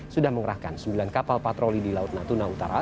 sudah mengerahkan sembilan kapal patroli di laut natuna utara